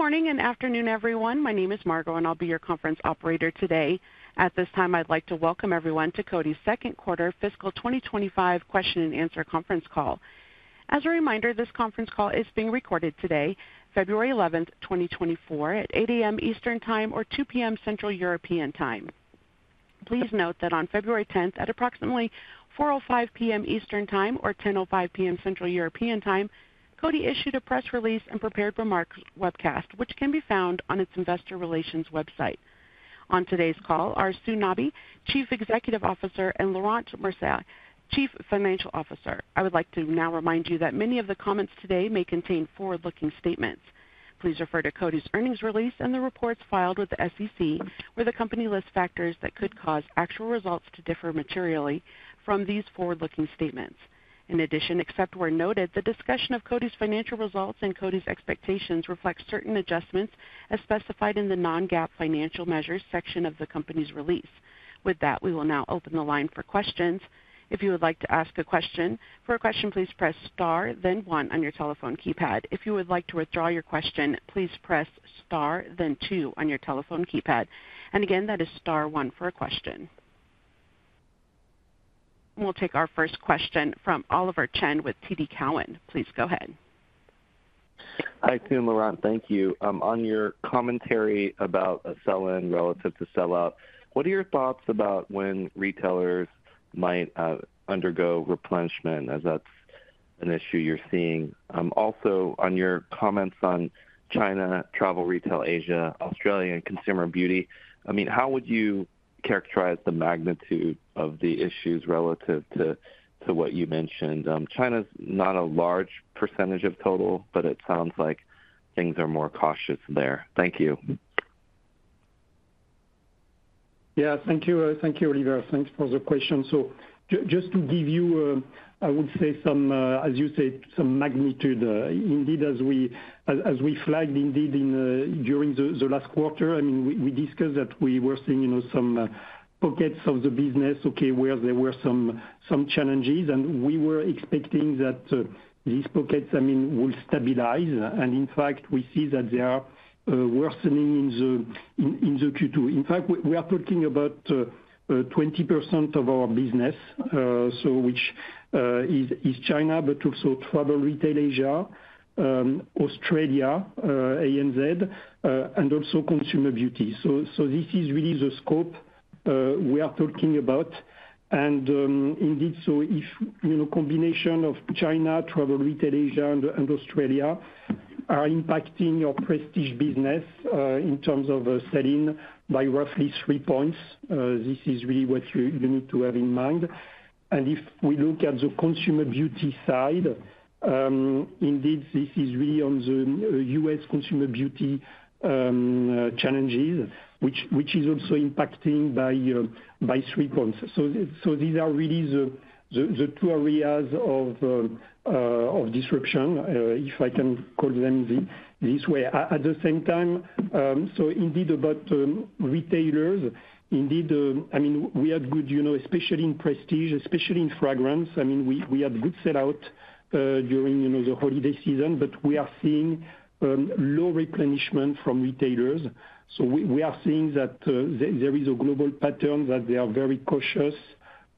Good morning and afternoon, everyone. My name is Margo, and I'll be your conference operator today. At this time, I'd like to welcome everyone to Coty's Second Quarter Fiscal 2025 Question-and-Answer Conference Call. As a reminder, this conference call is being recorded today, February 11th, 2024, at 8:00 A.M. Eastern Time or 2:00 P.M. Central European Time. Please note that on February 10th, at approximately 4:05 P.M. Eastern Time or 10:05 P.M. Central European Time, Coty issued a press release and prepared remarks webcast, which can be found on its Investor Relations website. On today's call are Sue Nabi, Chief Executive Officer, and Laurent Mercier, Chief Financial Officer. I would like to now remind you that many of the comments today may contain forward-looking statements. Please refer to Coty's earnings release and the reports filed with the SEC, where the company lists factors that could cause actual results to differ materially from these forward-looking statements. In addition, except where noted, the discussion of Coty's financial results and Coty's expectations reflects certain adjustments as specified in the non-GAAP financial measures section of the company's release. With that, we will now open the line for questions. If you would like to ask a question, please press star, then one on your telephone keypad. If you would like to withdraw your question, please press star, then two on your telephone keypad. And again, that is star, one for a question. We'll take our first question from Oliver Chen with TD Cowen. Please go ahead. Hi, Sue and Laurent. Thank you. On your commentary about a sell-in relative to sell-out, what are your thoughts about when retailers might undergo replenishment, as that's an issue you're seeing? Also, on your comments on China, Travel Retail, Asia, Australia, and Consumer Beauty, I mean, how would you characterize the magnitude of the issues relative to what you mentioned? China's not a large percentage of total, but it sounds like things are more cautious there. Thank you. Yeah, thank you. Thank you, Oliver. Thanks for the question. So just to give you, I would say, as you said, some magnitude. Indeed, as we flagged indeed during the last quarter, I mean, we discussed that we were seeing some pockets of the business, okay, where there were some challenges. And we were expecting that these pockets, I mean, will stabilize. And in fact, we see that they are worsening in the Q2. In fact, we are talking about 20% of our business, which is China, but also Travel Retail Asia, Australia, ANZ, and also Consumer Beauty. So this is really the scope we are talking about. And indeed, so if a combination of China, Travel Retail Asia, and Australia are impacting your Prestige business in terms of sell-in by roughly three points, this is really what you need to have in mind. If we look at the Consumer Beauty side, indeed, this is really on the U.S. Consumer Beauty challenges, which is also impacting by three points. These are really the two areas of disruption, if I can call them this way. At the same time, indeed, about retailers, indeed, I mean, we had good, especially in Prestige, especially in fragrance. I mean, we had good sell-out during the holiday season, but we are seeing low replenishment from retailers. We are seeing that there is a global pattern that they are very cautious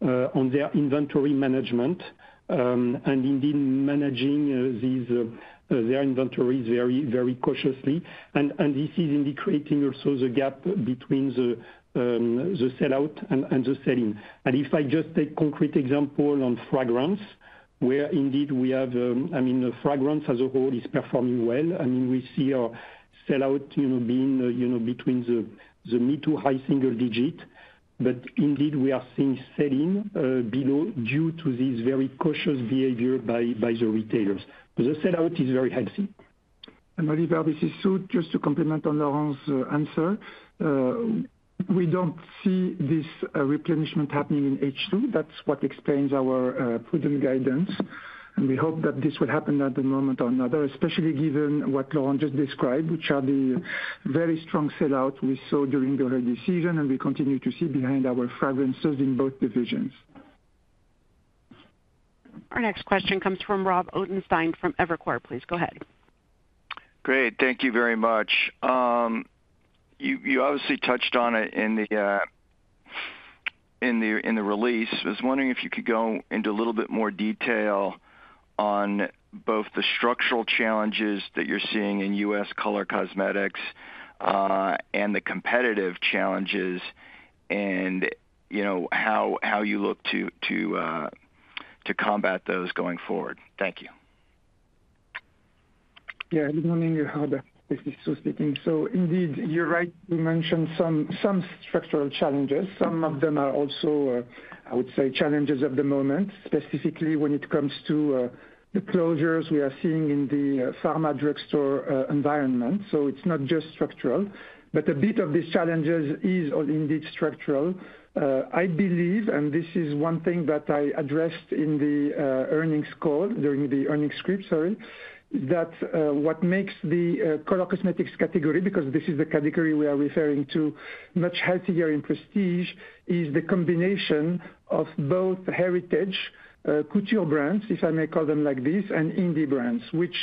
on their inventory management and indeed managing their inventories very cautiously. This is indicating also the gap between the sell-out and the sell-in. If I just take a concrete example on fragrance, where indeed we have, I mean, fragrance as a whole is performing well. I mean, we see our sell-out being between the mid- to high-single-digit. But indeed, we are seeing sell-in due to this very cautious behavior by the retailers. The sell-out is very healthy. And Oliver, this is Sue, just to complement on Laurent's answer. We don't see this replenishment happening in H2. That's what explains our prudent guidance. And we hope that this will happen at the moment or another, especially given what Laurent just described, which are the very strong sell-outs we saw during the holiday season, and we continue to see behind our fragrances in both divisions. Our next question comes from Rob Ottenstein from Evercore ISI. Please go ahead. Great. Thank you very much. You obviously touched on it in the release. I was wondering if you could go into a little bit more detail on both the structural challenges that you're seeing in U.S. color cosmetics and the competitive challenges and how you look to combat those going forward. Thank you. Yeah, good morning, Robert. This is Sue speaking. So indeed, you're right to mention some structural challenges. Some of them are also, I would say, challenges of the moment, specifically when it comes to the closures we are seeing in the pharma drugstore environment. So it's not just structural, but a bit of these challenges is indeed structural. I believe, and this is one thing that I addressed in the earnings call during the earnings script, sorry, that's what makes the color cosmetics category, because this is the category we are referring to, much healthier in prestige, is the combination of both heritage couture brands, if I may call them like this, and indie brands, which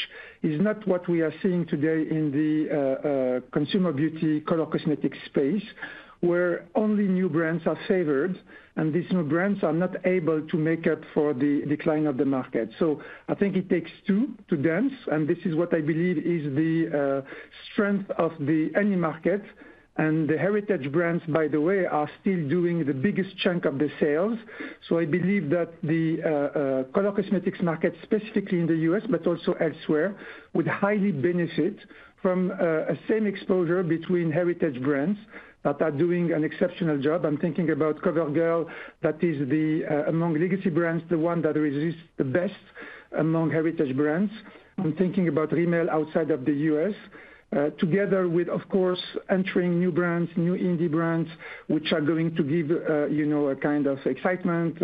is not what we are seeing today in the consumer beauty color cosmetics space, where only new brands are favored, and these new brands are not able to make up for the decline of the market. So I think it takes two to dance, and this is what I believe is the strength of the prestige market. And the heritage brands, by the way, are still doing the biggest chunk of the sales. So I believe that the color cosmetics market, specifically in the US, but also elsewhere, would highly benefit from a same exposure between heritage brands that are doing an exceptional job. I'm thinking about CoverGirl, that is among legacy brands, the one that resists the best among heritage brands. I'm thinking about Rimmel outside of the US, together with, of course, entering new brands, new indie brands, which are going to give a kind of excitement,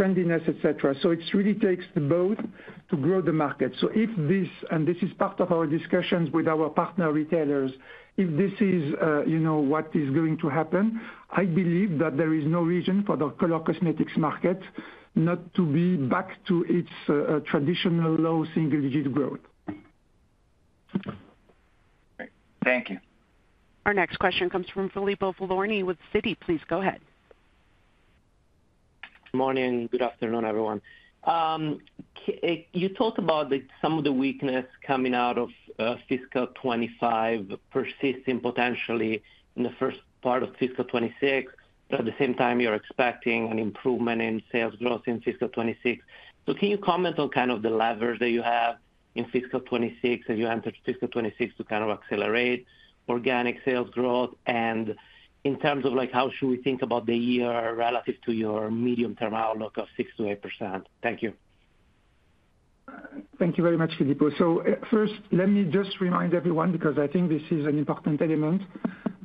trendiness, etc. So it really takes both to grow the market. So if this, and this is part of our discussions with our partner retailers, if this is what is going to happen, I believe that there is no reason for the color cosmetics market not to be back to its traditional low single-digit growth. Thank you. Our next question comes from Filippo Falorni with Citi. Please go ahead. Good morning. Good afternoon, everyone. You talked about some of the weakness coming out of fiscal 2025, persisting potentially in the first part of fiscal 2026. But at the same time, you're expecting an improvement in sales growth in fiscal 2026. So can you comment on kind of the levers that you have in fiscal 2026 as you enter fiscal 2026 to kind of accelerate organic sales growth? And in terms of how should we think about the year relative to your medium-term outlook of 6%-8%? Thank you. Thank you very much, Filippo. So first, let me just remind everyone, because I think this is an important element,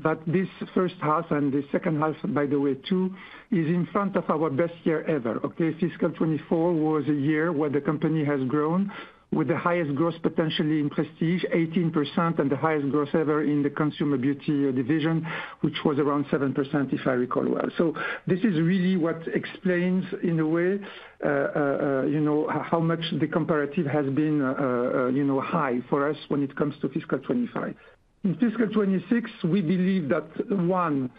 that this first half and the second half, by the way, too, is in front of our best year ever. Okay, fiscal 2024 was a year where the company has grown with the highest growth potentially in prestige, 18%, and the highest growth ever in the consumer beauty division, which was around 7%, if I recall well. So this is really what explains, in a way, how much the comparative has been high for us when it comes to fiscal 2025. In fiscal 2026, we believe that, one,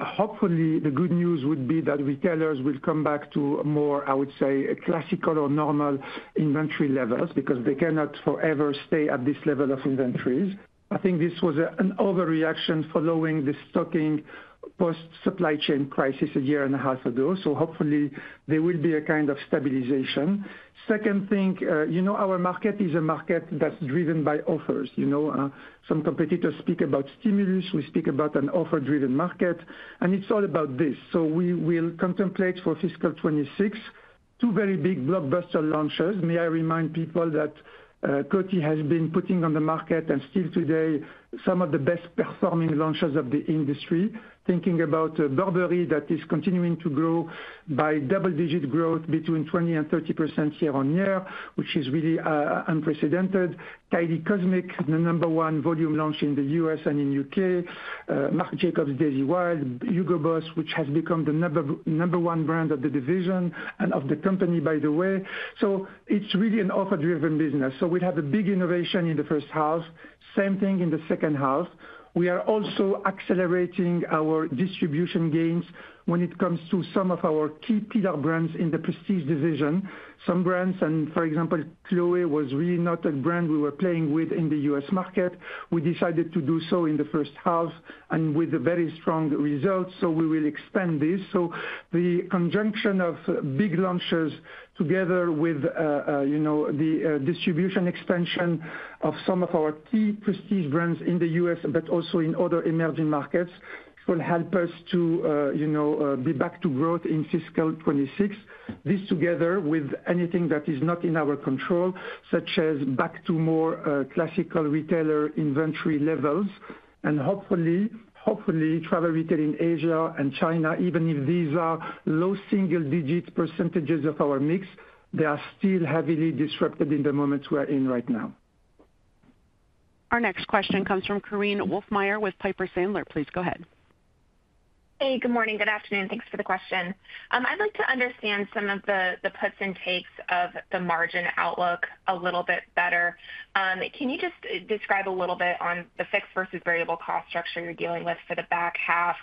hopefully, the good news would be that retailers will come back to more, I would say, classical or normal inventory levels because they cannot forever stay at this level of inventories. I think this was an overreaction following the stocking post-supply chain crisis a year and a half ago, so hopefully, there will be a kind of stabilization. Second thing, you know our market is a market that's driven by offers. Some competitors speak about stimulus. We speak about an offer-driven market, and it's all about this, so we will contemplate for fiscal 2026 two very big blockbuster launches. May I remind people that Coty has been putting on the market and still today some of the best-performing launches of the industry, thinking about Burberry that is continuing to grow by double-digit growth between 20%-30% year on year, which is really unprecedented. Kylie Cosmic, the number one volume launch in the U.S. and in the U.K. Marc Jacobs Daisy Wild, Hugo Boss, which has become the number one brand of the division and of the company, by the way, so it's really an offer-driven business, so we have a big innovation in the first half. Same thing in the second half. We are also accelerating our distribution gains when it comes to some of our key pillar brands in the Prestige division. Some brands, and for example, Chloé was really not a brand we were playing with in the U.S. market. We decided to do so in the first half and with very strong results, so we will expand this, so the conjunction of big launches together with the distribution extension of some of our key Prestige brands in the U.S., but also in other emerging markets, will help us to be back to growth in fiscal 2026. This together with anything that is not in our control, such as back to more classical retailer inventory levels, and hopefully, travel retail in Asia and China, even if these are low single-digit percentages of our mix, they are still heavily disrupted in the moment we are in right now. Our next question comes from Korinne Wolfmeyer with Piper Sandler. Please go ahead. Hey, good morning. Good afternoon. Thanks for the question. I'd like to understand some of the puts and takes of the margin outlook a little bit better. Can you just describe a little bit on the fixed versus variable cost structure you're dealing with for the back half?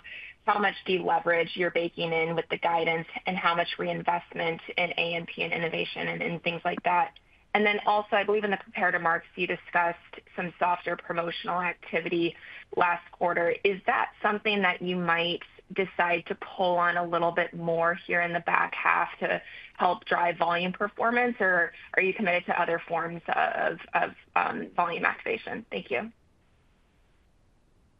How much do you leverage you're baking in with the guidance and how much reinvestment in A&P and innovation and things like that? And then also, I believe in the prepared remarks, you discussed some softer promotional activity last quarter. Is that something that you might decide to pull on a little bit more here in the back half to help drive volume performance, or are you committed to other forms of volume activation? Thank you.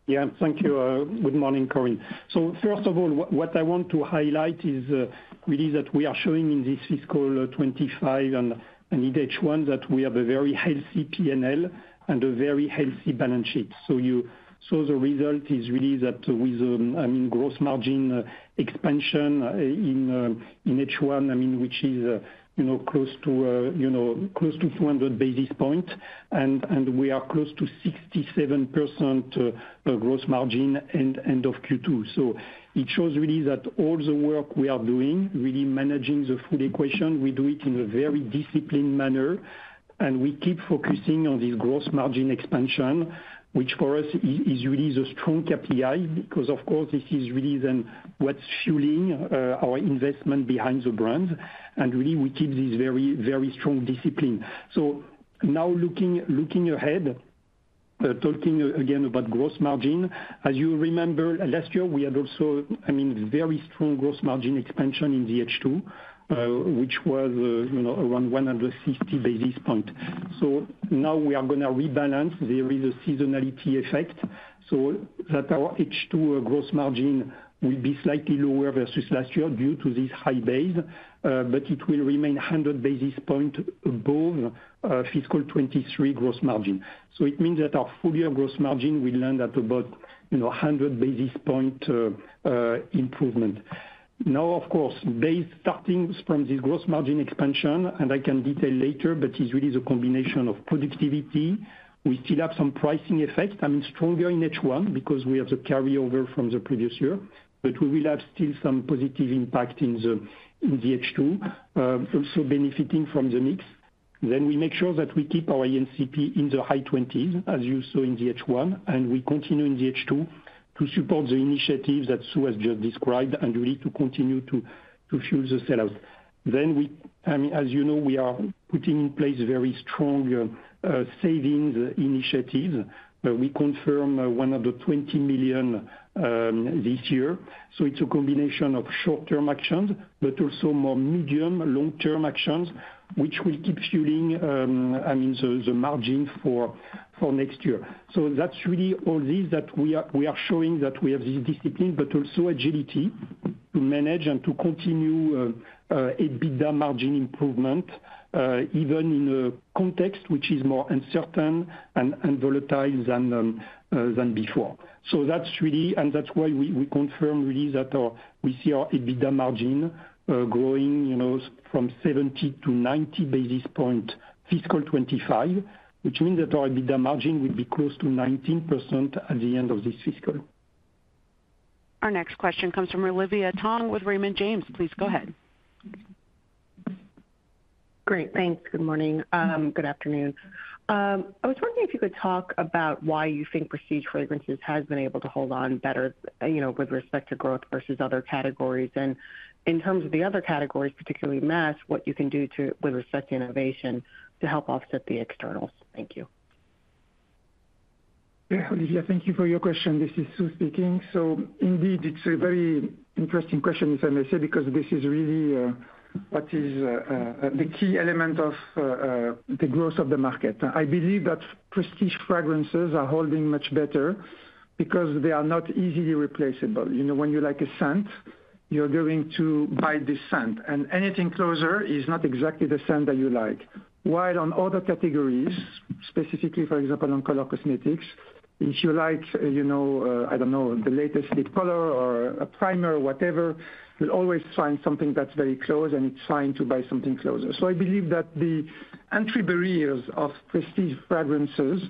Yeah, thank you. Good morning, Korinne, so first of all, what I want to highlight is really that we are showing in this fiscal 25 and in H1 that we have a very healthy P&L and a very healthy balance sheet, so the result is really that with, I mean, gross margin expansion in H1, I mean, which is close to 200 basis points, and we are close to 67% gross margin end of Q2. So it shows really that all the work we are doing, really managing the full equation, we do it in a very disciplined manner, and we keep focusing on this gross margin expansion, which for us is really the strong KPI because, of course, this is really what's fueling our investment behind the brands, and really, we keep this very strong discipline. So now looking ahead, talking again about gross margin, as you remember, last year, we had also, I mean, very strong gross margin expansion in the H2, which was around 160 basis points. So now we are going to rebalance. There is a seasonality effect so that our H2 gross margin will be slightly lower versus last year due to this high base, but it will remain 100 basis points above fiscal 2023 gross margin. So it means that our full-year gross margin, we land at about 100 basis point improvement. Now, of course, based starting from this gross margin expansion, and I can detail later, but it's really the combination of productivity. We still have some pricing effect. I mean, stronger in H1 because we have the carryover from the previous year, but we will have still some positive impact in the H2, also benefiting from the mix. Then we make sure that we keep our A&CP in the high 20s, as you saw in the H1, and we continue in the H2 to support the initiatives that Sue has just described and really to continue to fuel the sell-out. Then, as you know, we are putting in place very strong savings initiatives. We confirm $20 million this year. So it's a combination of short-term actions, but also more medium and long-term actions, which will keep fueling, I mean, the margin for next year. So that's really all these that we are showing that we have this discipline, but also agility to manage and to continue EBITDA margin improvement even in a context which is more uncertain and volatile than before. That's really, and that's why we confirm really that we see our EBITDA margin growing from 70-90 basis points fiscal 2025, which means that our EBITDA margin will be close to 19% at the end of this fiscal. Our next question comes from Olivia Tong with Raymond James. Please go ahead. Great. Thanks. Good morning. Good afternoon. I was wondering if you could talk about why you think Prestige Fragrances has been able to hold on better with respect to growth versus other categories? And in terms of the other categories, particularly mass, what you can do with respect to innovation to help offset the externals? Thank you. Olivia, thank you for your question. This is Sue speaking. So indeed, it's a very interesting question, if I may say, because this is really what is the key element of the growth of the market. I believe that Prestige Fragrances are holding much better because they are not easily replaceable. When you like a scent, you're going to buy this scent. And anything closer is not exactly the scent that you like. While on other categories, specifically, for example, on color cosmetics, if you like, I don't know, the latest lip color or a primer or whatever, you'll always find something that's very close, and it's fine to buy something closer. I believe that the entry barriers of Prestige Fragrances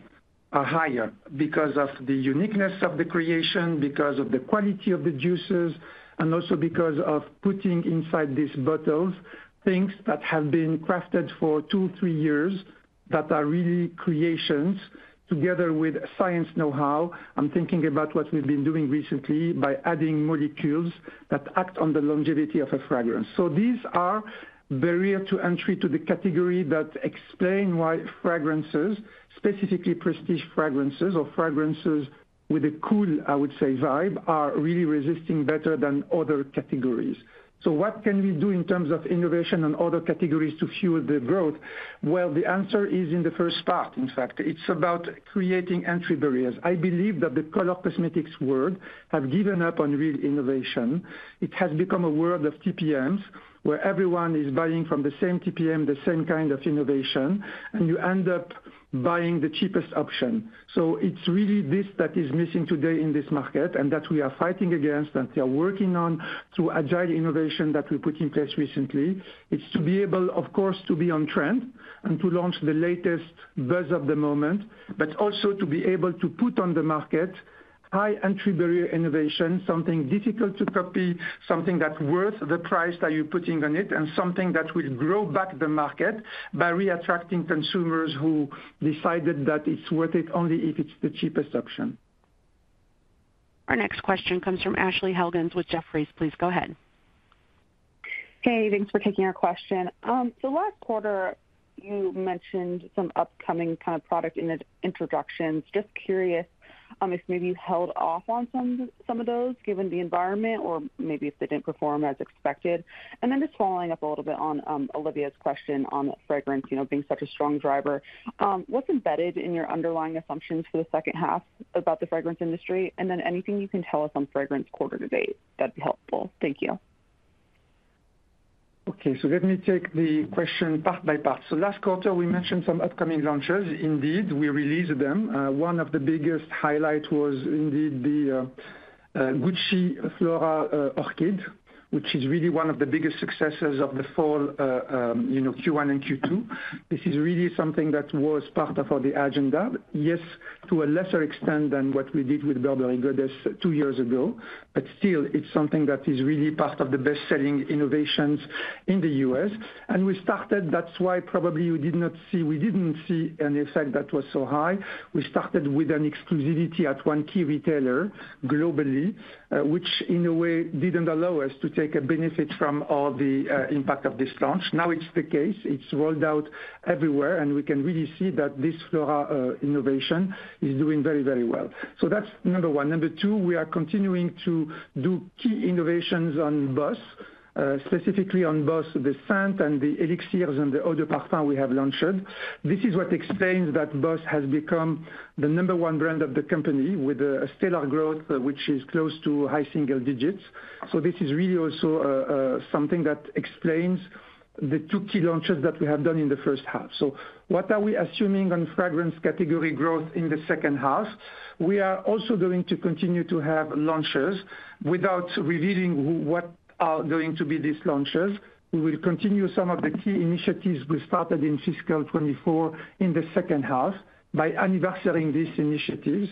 are higher because of the uniqueness of the creation, because of the quality of the juices, and also because of putting inside these bottles things that have been crafted for two, three years that are really creations together with science know-how. I'm thinking about what we've been doing recently by adding molecules that act on the longevity of a fragrance. So these are barrier to entry to the category that explain why fragrances, specifically Prestige Fragrances or fragrances with a cool, I would say, vibe, are really resisting better than other categories. What can we do in terms of innovation and other categories to fuel the growth? Well, the answer is in the first part, in fact. It's about creating entry barriers. I believe that the color cosmetics world have given up on real innovation. It has become a world of TPMs where everyone is buying from the same TPM, the same kind of innovation, and you end up buying the cheapest option. So it's really this that is missing today in this market and that we are fighting against and we are working on through agile innovation that we put in place recently. It's to be able, of course, to be on trend and to launch the latest buzz of the moment, but also to be able to put on the market high entry barrier innovation, something difficult to copy, something that's worth the price that you're putting on it, and something that will grow back the market by reattracting consumers who decided that it's worth it only if it's the cheapest option. Our next question comes from Ashley Helgans with Jefferies. Please go ahead. Hey, thanks for taking our question. The last quarter, you mentioned some upcoming kind of product introductions. Just curious if maybe you held off on some of those given the environment or maybe if they didn't perform as expected. And then just following up a little bit on Olivia's question on fragrance being such a strong driver, what's embedded in your underlying assumptions for the second half about the fragrance industry? And then anything you can tell us on fragrance quarter-to-date, that'd be helpful. Thank you. Okay, so let me take the question part by part. So last quarter, we mentioned some upcoming launches. Indeed, we released them. One of the biggest highlights was indeed the Gucci Flora Orchid, which is really one of the biggest successes of the fall Q1 and Q2. This is really something that was part of the agenda, yes, to a lesser extent than what we did with Burberry Goddess two years ago, but still, it's something that is really part of the best-selling innovations in the U.S., and we started, that's why probably you did not see, we didn't see an effect that was so high. We started with an exclusivity at one key retailer globally, which in a way didn't allow us to take a benefit from all the impact of this launch. Now it's the case. It's rolled out everywhere, and we can really see that this Flora innovation is doing very, very well. So that's number one. Number two, we are continuing to do key innovations on Boss, specifically on Boss The Scent and the elixirs and the eau de parfum we have launched. This is what explains that Boss has become the number one brand of the company with a stellar growth, which is close to high single digits. So this is really also something that explains the two key launches that we have done in the first half. So what are we assuming on fragrance category growth in the second half? We are also going to continue to have launches. Without revealing what are going to be these launches, we will continue some of the key initiatives we started in fiscal 2024 in the second half by anniversarying these initiatives.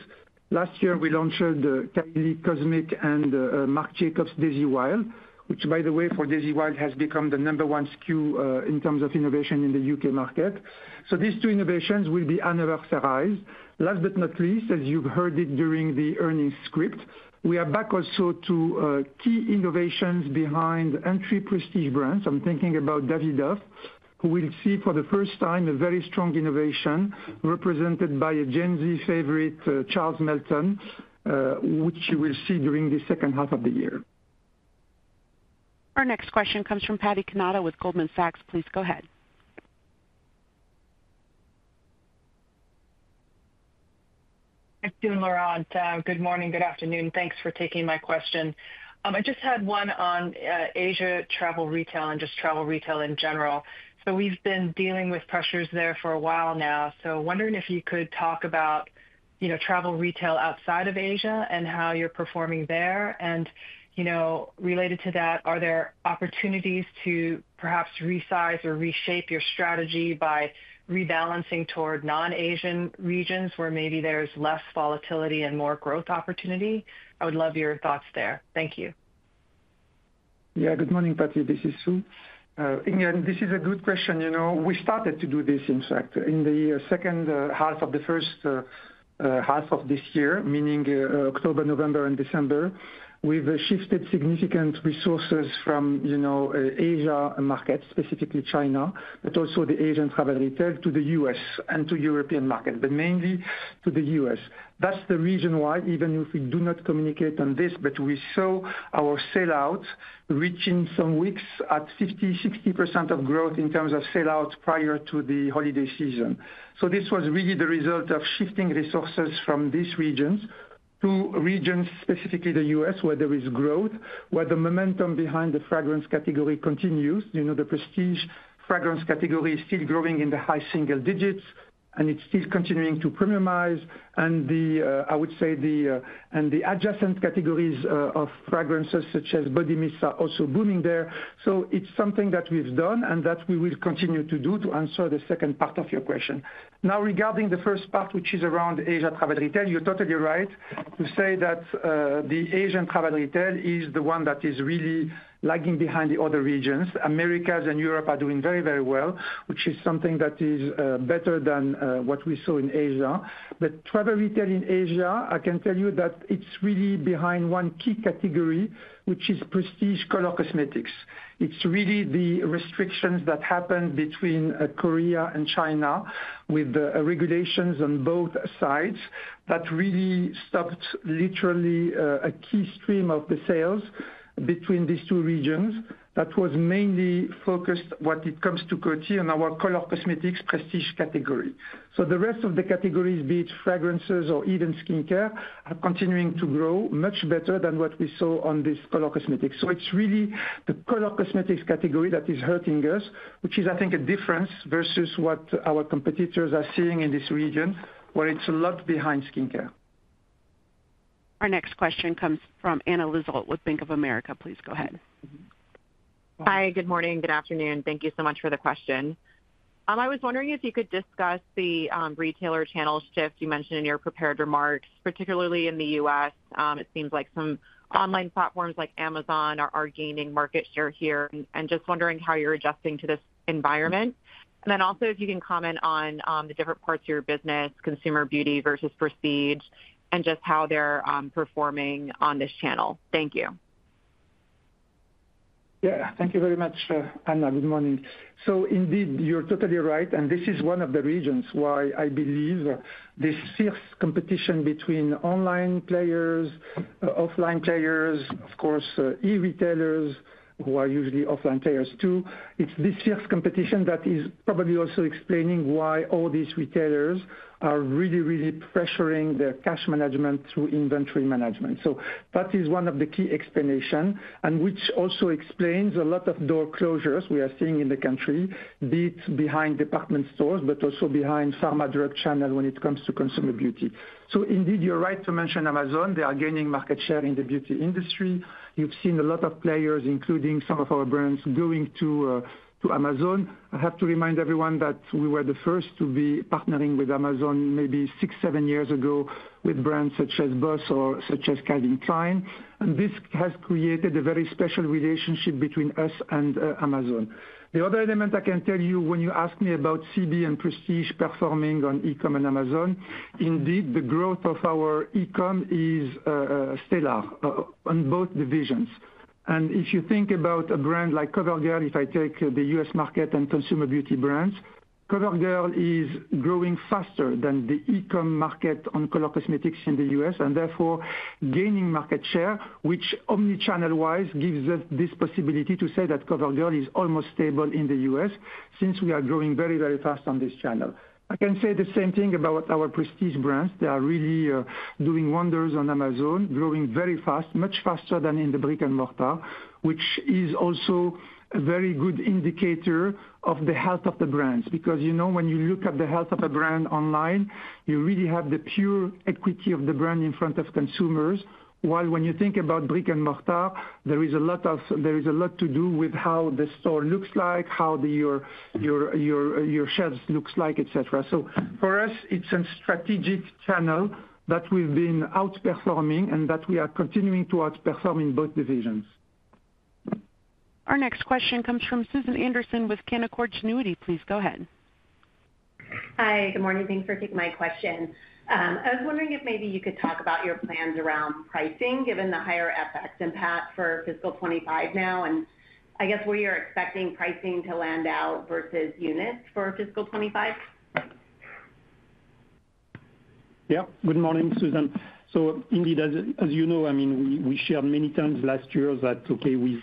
Last year, we launched the Kylie Cosmic and Marc Jacobs Daisy Wild, which, by the way, for Daisy Wild has become the number one SKU in terms of innovation in the UK market, so these two innovations will be anniversarized. Last but not least, as you've heard it during the earnings script, we are back also to key innovations behind entry Prestige brands. I'm thinking about Davidoff, who will see for the first time a very strong innovation represented by a Gen Z favorite, Charles Melton, which you will see during the second half of the year. Our next question comes from Patty Canada with Goldman Sachs. Please go ahead. Good afternoon, Laurent. Good morning. Good afternoon. Thanks for taking my question. I just had one on Asia travel retail and just travel retail in general. So we've been dealing with pressures there for a while now. So wondering if you could talk about travel retail outside of Asia and how you're performing there. And related to that, are there opportunities to perhaps resize or reshape your strategy by rebalancing toward non-Asian regions where maybe there's less volatility and more growth opportunity? I would love your thoughts there. Thank you. Yeah, good morning, Patty. This is Sue. This is a good question. We started to do this, in fact, in the second half of the first half of this year, meaning October, November, and December. We've shifted significant resources from Asian markets, specifically China, but also the Asian travel retail to the US and to European markets, but mainly to the US. That's the reason why, even if we do not communicate on this, but we saw our sell-out reaching some weeks at 50%-60% of growth in terms of sell-out prior to the holiday season. So this was really the result of shifting resources from these regions to regions, specifically the US, where there is growth, where the momentum behind the fragrance category continues. The Prestige fragrance category is still growing in the high single digits, and it's still continuing to premiumize. I would say the adjacent categories of fragrances, such as body mists, are also booming there. It's something that we've done and that we will continue to do to answer the second part of your question. Now, regarding the first part, which is around Asia Travel Retail, you're totally right to say that the Asian Travel Retail is the one that is really lagging behind the other regions. America and Europe are doing very, very well, which is something that is better than what we saw in Asia. Travel Retail in Asia, I can tell you that it's really behind one key category, which is Prestige color cosmetics. It's really the restrictions that happened between Korea and China with regulations on both sides that really stopped literally a key stream of the sales between these two regions that was mainly focused on what it comes to Coty and our color cosmetics Prestige category. So the rest of the categories, be it fragrances or even skincare, are continuing to grow much better than what we saw on this color cosmetics. So it's really the color cosmetics category that is hurting us, which is, I think, a difference versus what our competitors are seeing in this region, where it's a lot behind skincare. Our next question comes from Anna Lizzul with Bank of America. Please go ahead. Hi, good morning, good afternoon. Thank you so much for the question. I was wondering if you could discuss the retailer channel shift you mentioned in your prepared remarks, particularly in the U.S. It seems like some online platforms like Amazon are gaining market share here. And just wondering how you're adjusting to this environment. And then also, if you can comment on the different parts of your business, Consumer Beauty versus Prestige, and just how they're performing on this channel. Thank you. Yeah, thank you very much, Anna. Good morning. So indeed, you're totally right. And this is one of the reasons why I believe this fierce competition between online players, offline players, of course, e-retailers, who are usually offline players too, it's this fierce competition that is probably also explaining why all these retailers are really, really pressuring their cash management through inventory management. So that is one of the key explanations, and which also explains a lot of door closures we are seeing in the country, be it behind department stores, but also behind pharma drug channels when it comes to Consumer Beauty. So indeed, you're right to mention Amazon. They are gaining market share in the beauty industry. You've seen a lot of players, including some of our brands, going to Amazon. I have to remind everyone that we were the first to be partnering with Amazon maybe six, seven years ago with brands such as Boss or such as Calvin Klein. And this has created a very special relationship between us and Amazon. The other element I can tell you, when you ask me about CB and Prestige performing on e-comm and Amazon, indeed, the growth of our e-comm is stellar on both divisions. And if you think about a brand like CoverGirl, if I take the US market and consumer beauty brands, CoverGirl is growing faster than the e-comm market on color cosmetics in the US and therefore gaining market share, which omnichannel-wise gives us this possibility to say that CoverGirl is almost stable in the US since we are growing very, very fast on this channel. I can say the same thing about our Prestige brands. They are really doing wonders on Amazon, growing very fast, much faster than in the brick-and-mortar, which is also a very good indicator of the health of the brands. Because when you look at the health of a brand online, you really have the pure equity of the brand in front of consumers. While when you think about brick-and-mortar, there is a lot to do with how the store looks like, how your shelf looks like, etc., so for us, it's a strategic channel that we've been outperforming and that we are continuing to outperform in both divisions. Our next question comes from Susan Anderson with Canaccord Genuity. Please go ahead. Hi, good morning. Thanks for taking my question. I was wondering if maybe you could talk about your plans around pricing, given the higher FX impact for fiscal 2025 now. And I guess we are expecting pricing to land out versus units for fiscal 2025. Yeah, good morning, Susan. So indeed, as you know, I mean, we shared many times last year that, okay, with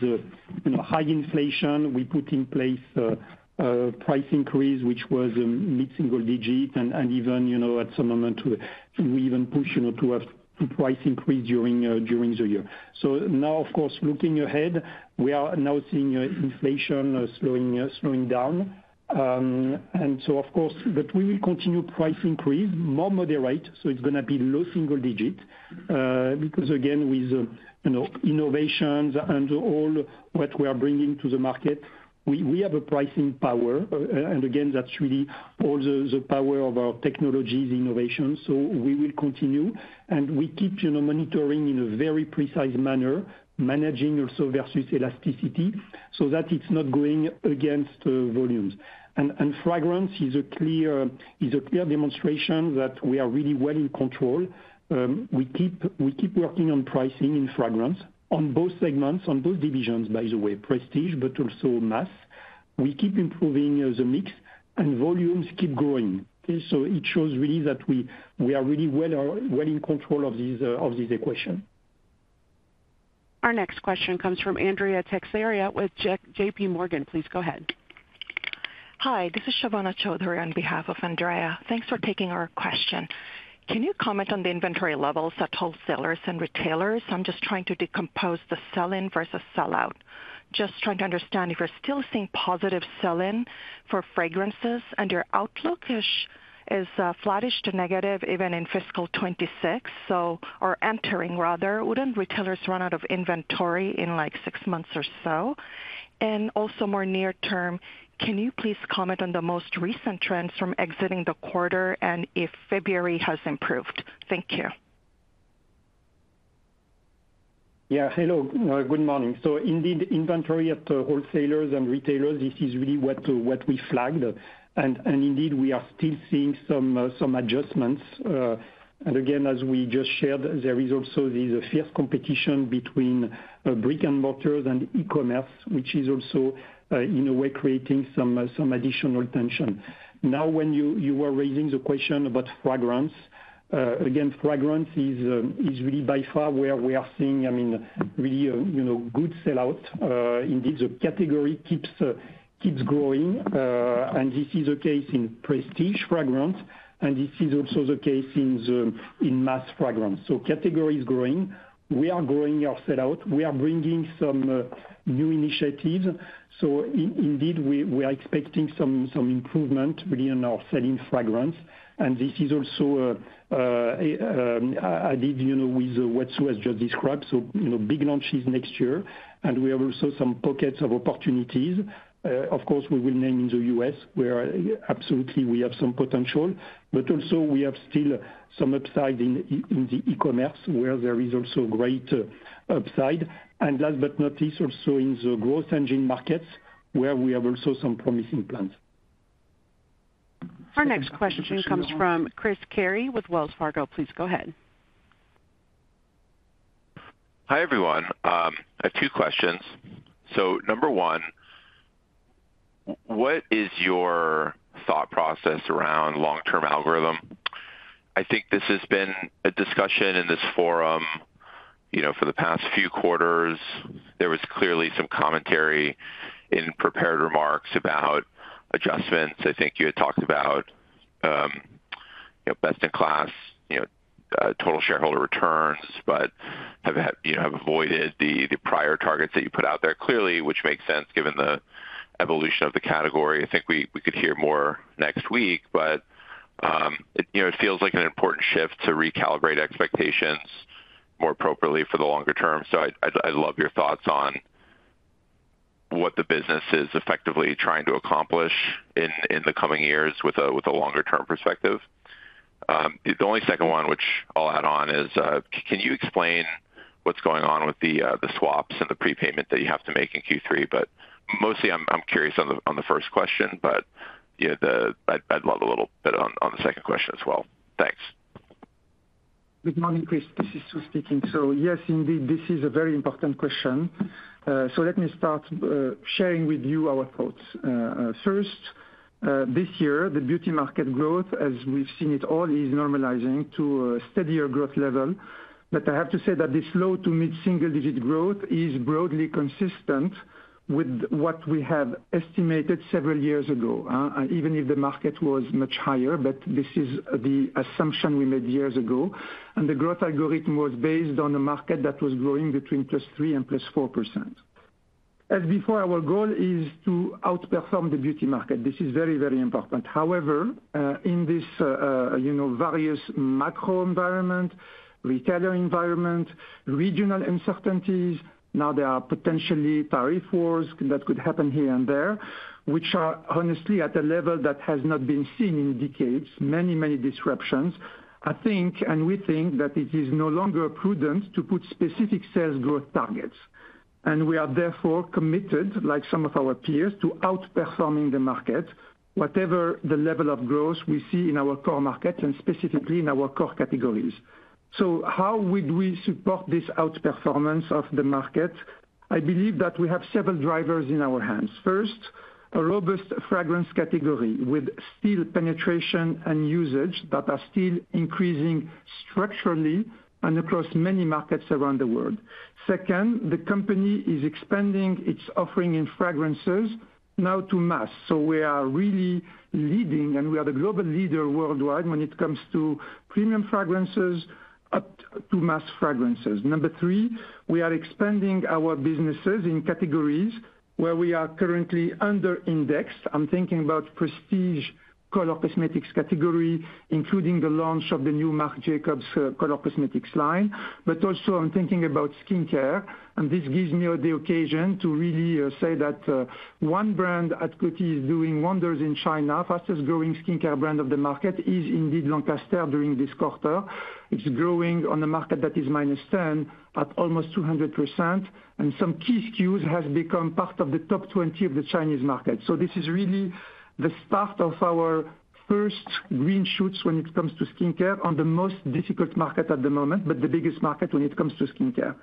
high inflation, we put in place price increase, which was mid-single digit, and even at some moment, we even pushed to have price increase during the year. So now, of course, looking ahead, we are now seeing inflation slowing down. And so, of course, but we will continue price increase, more moderate. So it's going to be low single digit because, again, with innovations and all what we are bringing to the market, we have a pricing power. And again, that's really all the power of our technologies, innovations. So we will continue, and we keep monitoring in a very precise manner, managing also versus elasticity so that it's not going against volumes. And fragrance is a clear demonstration that we are really well in control. We keep working on pricing in fragrance on both segments, on both divisions, by the way, Prestige, but also mass. We keep improving the mix, and volumes keep growing. So it shows really that we are really well in control of this equation. Our next question comes from Andrea Teixeira with JPMorgan. Please go ahead. Hi, this is Shovana Chowdhury on behalf of Andrea. Thanks for taking our question. Can you comment on the inventory levels at wholesalers and retailers? I'm just trying to decompose the sell-in versus sell-out. Just trying to understand if you're still seeing positive sell-in for fragrances, and your outlook is flattish to negative even in fiscal 2026, or entering rather. Wouldn't retailers run out of inventory in like six months or so? And also more near-term, can you please comment on the most recent trends from exiting the quarter and if February has improved? Thank you. Yeah, hello, good morning. So indeed, inventory at wholesalers and retailers, this is really what we flagged. And indeed, we are still seeing some adjustments. And again, as we just shared, there is also this fierce competition between brick-and-mortars and e-commerce, which is also, in a way, creating some additional tension. Now, when you were raising the question about fragrance, again, fragrance is really by far where we are seeing, I mean, really good sell-out. Indeed, the category keeps growing, and this is the case in Prestige fragrance, and this is also the case in mass fragrance. So category is growing. We are growing our sell-out. We are bringing some new initiatives. So indeed, we are expecting some improvement really in our sell-in fragrance. And this is also in line with what Sue's just described. So big launches next year, and we have also some pockets of opportunities. Of course, we will name in the U.S. where absolutely we have some potential, but also we have still some upside in the e-commerce where there is also great upside. And last but not least, also in the growth engine markets where we have also some promising plans. Our next question comes from Chris Carey with Wells Fargo. Please go ahead. Hi everyone. I have two questions. So number one, what is your thought process around long-term capital allocation? I think this has been a discussion in this forum for the past few quarters. There was clearly some commentary in prepared remarks about adjustments. I think you had talked about best-in-class total shareholder returns, but have avoided the prior targets that you put out there clearly, which makes sense given the evolution of the category. I think we could hear more next week, but it feels like an important shift to recalibrate expectations more appropriately for the longer term. So I'd love your thoughts on what the business is effectively trying to accomplish in the coming years with a longer-term perspective. The only second one, which I'll add on, is can you explain what's going on with the swaps and the prepayment that you have to make in Q3? But mostly, I'm curious on the first question, but I'd love a little bit on the second question as well. Thanks. Good morning, Chris. This is Sue speaking. So yes, indeed, this is a very important question. So let me start sharing with you our thoughts. First, this year, the beauty market growth, as we've seen it all, is normalizing to a steadier growth level. But I have to say that this low to mid-single-digit growth is broadly consistent with what we have estimated several years ago, even if the market was much higher, but this is the assumption we made years ago. And the growth algorithm was based on a market that was growing between plus 3% and plus 4%. As before, our goal is to outperform the beauty market. This is very, very important. However, in this various macro environment, retailer environment, regional uncertainties, now there are potentially tariff wars that could happen here and there, which are honestly at a level that has not been seen in decades, many, many disruptions. I think, and we think that it is no longer prudent to put specific sales growth targets, and we are therefore committed, like some of our peers, to outperforming the market, whatever the level of growth we see in our core markets and specifically in our core categories. How would we support this outperformance of the market? I believe that we have several drivers in our hands. First, a robust fragrance category with still penetration and usage that are still increasing structurally and across many markets around the world. Second, the company is expanding its offering in fragrances now to mass. We are really leading, and we are the global leader worldwide when it comes to premium fragrances up to mass fragrances. Number three, we are expanding our businesses in categories where we are currently under-indexed. I'm thinking about Prestige color cosmetics category, including the launch of the new Marc Jacobs color cosmetics line. But also, I'm thinking about skincare. And this gives me the occasion to really say that one brand at Coty is doing wonders in China, fastest growing skincare brand of the market is indeed Lancaster during this quarter. It's growing on a market that is -10% at almost 200%. And some key SKUs have become part of the top 20 of the Chinese market. So this is really the start of our first green shoots when it comes to skincare on the most difficult market at the moment, but the biggest market when it comes to skincare.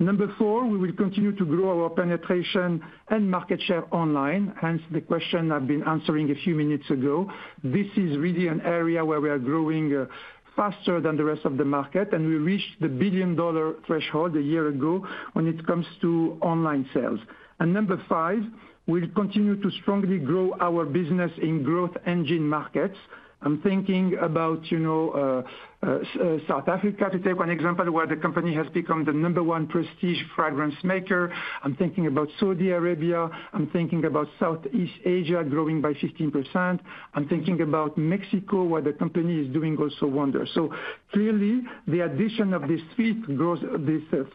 Number four, we will continue to grow our penetration and market share online. Hence, the question I've been answering a few minutes ago. This is really an area where we are growing faster than the rest of the market, and we reached the billion-dollar threshold a year ago when it comes to online sales. And number five, we'll continue to strongly grow our business in growth engine markets. I'm thinking about South Africa, to take one example, where the company has become the number one Prestige fragrance maker. I'm thinking about Saudi Arabia. I'm thinking about Southeast Asia growing by 15%. I'm thinking about Mexico, where the company is doing also wonders. So clearly, the addition of these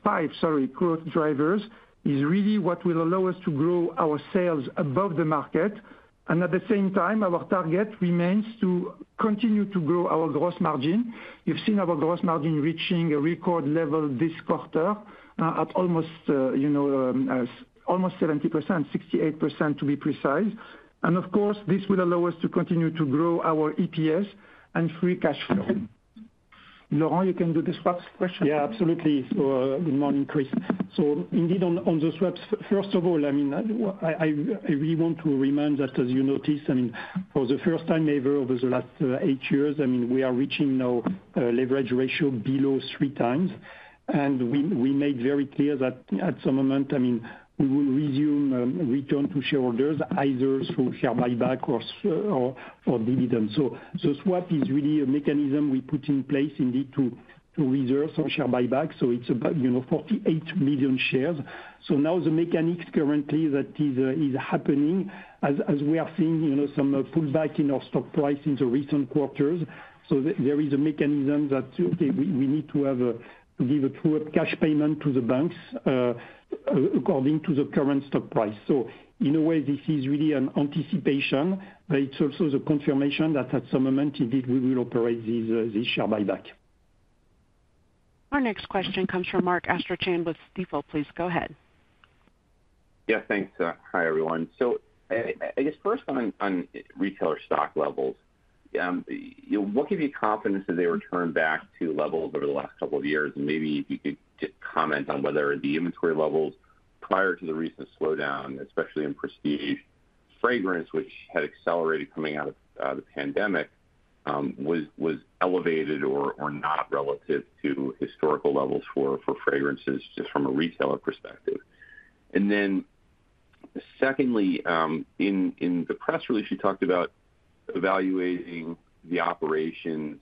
five, sorry, growth drivers is really what will allow us to grow our sales above the market. And at the same time, our target remains to continue to grow our gross margin. You've seen our gross margin reaching a record level this quarter at almost 70%, 68% to be precise. And of course, this will allow us to continue to grow our EPS and free cash flow. Laurent, you can do the Q&A question. Yeah, absolutely. So good morning, Chris. So indeed, on the swaps, first of all, I mean, I really want to remind that, as you noticed, I mean, for the first time ever over the last eight years, I mean, we are reaching now leverage ratio below three times. And we made very clear that at some moment, I mean, we will resume return to shareholders, either through share buyback or dividends. So the swap is really a mechanism we put in place indeed to reserve some share buyback. So it's about 48 million shares. So now the mechanics currently that is happening, as we are seeing some pullback in our stock price in the recent quarters. So there is a mechanism that, okay, we need to give a cash payment to the banks according to the current stock price. So in a way, this is really an anticipation, but it's also the confirmation that at some moment, indeed, we will operate this share buyback. Our next question comes from Mark Astrachan with Stifel. Please go ahead. Yeah, thanks. Hi, everyone. So, I guess first on retailer stock levels, what gives you confidence that they returned back to levels over the last couple of years? And maybe if you could comment on whether the inventory levels prior to the recent slowdown, especially in Prestige fragrance, which had accelerated coming out of the pandemic, was elevated or not relative to historical levels for fragrances just from a retailer perspective? And then secondly, in the press release, you talked about evaluating the operations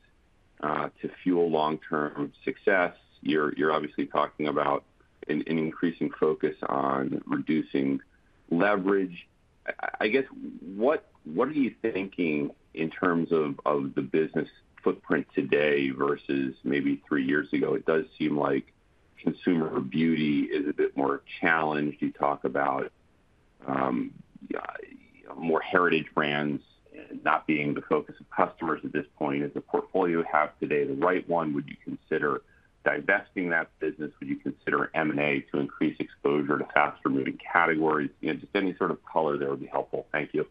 to fuel long-term success. You're obviously talking about an increasing focus on reducing leverage. I guess, what are you thinking in terms of the business footprint today versus maybe three years ago? It does seem like Consumer Beauty is a bit more challenged. You talk about more heritage brands not being the focus of customers at this point. Does the portfolio have today the right one? Would you consider divesting that business? Would you consider M&A to increase exposure to faster-moving categories? Just any sort of color there would be helpful. Thank you.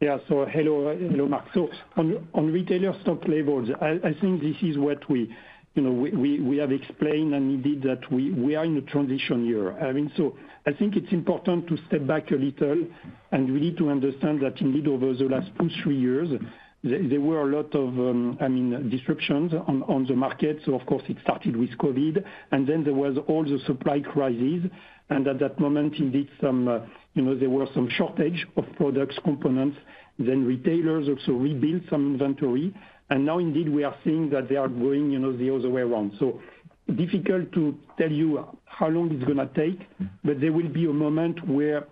Yeah. So hello, Marc. So on retailer stock levels, I think this is what we have explained and indeed that we are in a transition year. I mean, so I think it's important to step back a little and really to understand that indeed over the last two, three years, there were a lot of, I mean, disruptions on the market. So of course, it started with COVID, and then there was all the supply crisis. And at that moment, indeed, there were some shortages of products, components. Then retailers also rebuilt some inventory. And now indeed, we are seeing that they are growing the other way around. So difficult to tell you how long it's going to take, but there will be a moment where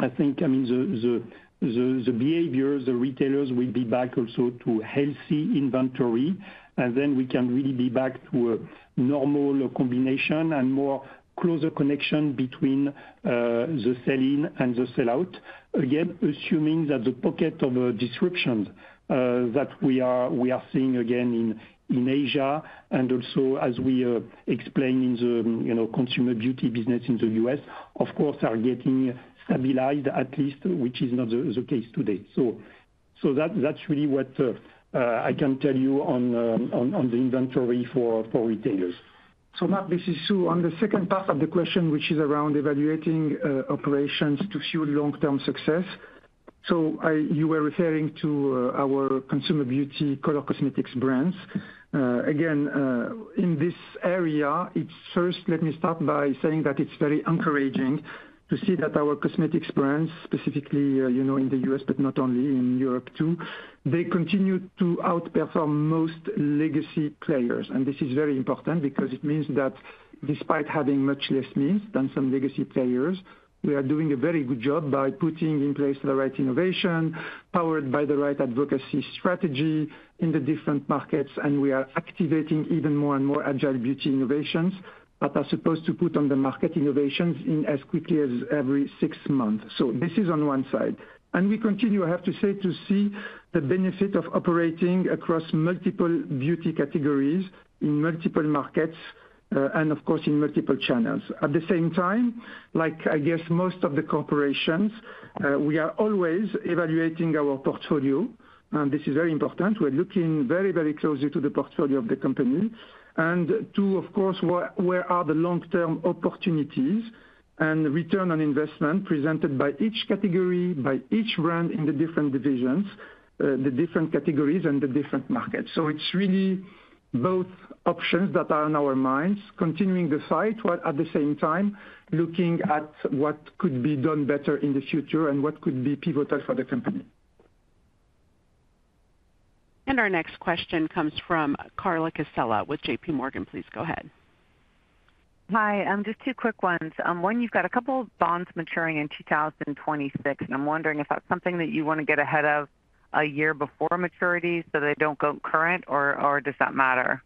I think, I mean, the behavior, the retailers will be back also to healthy inventory. And then we can really be back to a normal combination and more closer connection between the sell-in and the sell-out. Again, assuming that the pocket of disruptions that we are seeing again in Asia and also, as we explained in the consumer beauty business in the US, of course, are getting stabilized at least, which is not the case today. So that's really what I can tell you on the inventory for retailers. So Marc, this is Sue. On the second part of the question, which is around evaluating operations to fuel long-term success. So you were referring to our Consumer Beauty color cosmetics brands. Again, in this area, first, let me start by saying that it's very encouraging to see that our cosmetics brands, specifically in the US, but not only in Europe too, they continue to outperform most legacy players. And this is very important because it means that despite having much less means than some legacy players, we are doing a very good job by putting in place the right innovation powered by the right advocacy strategy in the different markets. And we are activating even more and more agile beauty innovations that are supposed to put on the market innovations as quickly as every six months. So this is on one side. And we continue, I have to say, to see the benefit of operating across multiple beauty categories in multiple markets and, of course, in multiple channels. At the same time, like I guess most of the corporations, we are always evaluating our portfolio. And this is very important. We're looking very, very closely to the portfolio of the company and to, of course, where are the long-term opportunities and return on investment presented by each category, by each brand in the different divisions, the different categories, and the different markets. So it's really both options that are on our minds, continuing the fight, while at the same time looking at what could be done better in the future and what could be pivotal for the company. And our next question comes from Carla Casella with JPMorgan. Please go ahead. Hi. Just two quick ones. One, you've got a couple of bonds maturing in 2026, and I'm wondering if that's something that you want to get ahead of a year before maturity so they don't go current, or does that matter?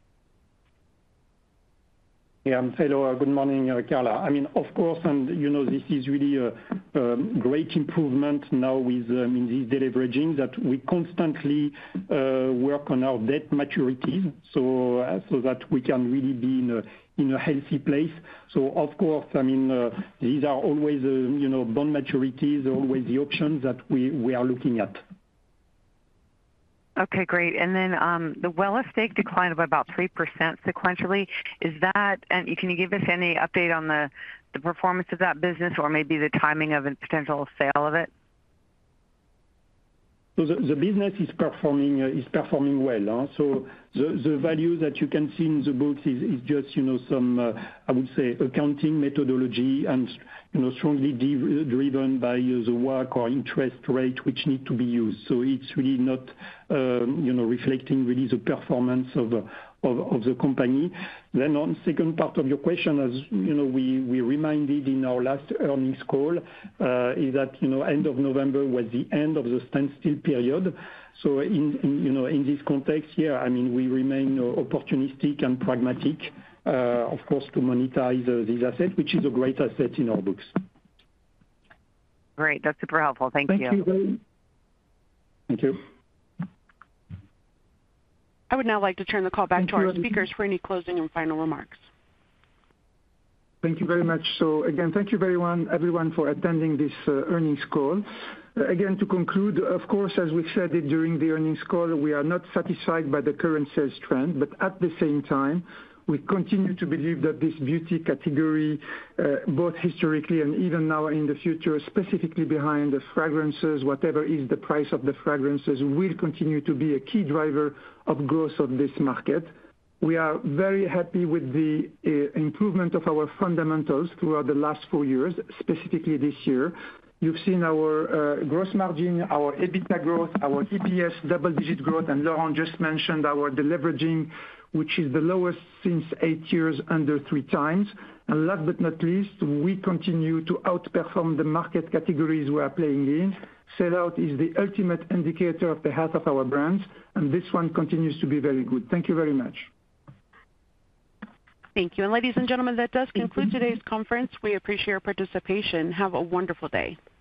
Yeah. Hello. Good morning, Carla. I mean, of course, and this is really a great improvement now with these deleveraging that we constantly work on our debt maturities so that we can really be in a healthy place. So, of course, I mean, these are always bond maturities, always the options that we are looking at. Okay, great. And then the Wella stake declined by about 3% sequentially. Can you give us any update on the performance of that business or maybe the timing of a potential sale of it? So the business is performing well. So the value that you can see in the books is just some, I would say, accounting methodology and strongly driven by the lower interest rate which need to be used. So it's really not reflecting really the performance of the company. Then on the second part of your question, as we reminded in our last earnings call, is that end of November was the end of the standstill period. So in this context here, I mean, we remain opportunistic and pragmatic, of course, to monetize these assets, which is a great asset in our books. Great. That's super helpful. Thank you. Thank you very much. Thank you. I would now like to turn the call back to our speakers for any closing and final remarks. Thank you very much. So again, thank you everyone for attending this earnings call. Again, to conclude, of course, as we've said during the earnings call, we are not satisfied by the current sales trend, but at the same time, we continue to believe that this beauty category, both historically and even now in the future, specifically behind the fragrances, whatever is the price of the fragrances, will continue to be a key driver of growth of this market. We are very happy with the improvement of our fundamentals throughout the last four years, specifically this year. You've seen our gross margin, our EBITDA growth, our EPS double-digit growth, and Laurent just mentioned our deleveraging, which is the lowest since eight years, under three times, and last but not least, we continue to outperform the market categories we are playing in. Sell-out is the ultimate indicator of the health of our brands, and this one continues to be very good. Thank you very much. Thank you. And ladies and gentlemen, that does conclude today's conference. We appreciate your participation. Have a wonderful day.